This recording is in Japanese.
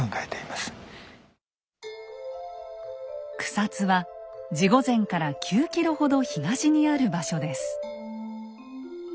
草津は地御前から９ｋｍほど東にある場所です。